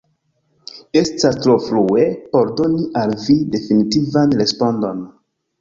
Estas tro frue por doni al vi definitivan respondon.